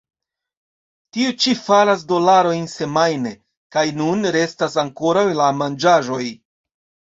Tio ĉi faras dolarojn semajne, kaj nun restas ankoraŭ la manĝaĵoj.